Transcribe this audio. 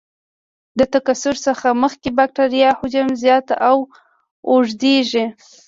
د تکثر څخه مخکې د بکټریا حجم زیات او اوږدیږي.